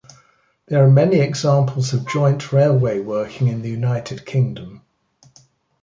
There are many examples of joint railway working in the United Kingdom.